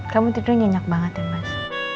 kamu tidur nyenyak banget ya mas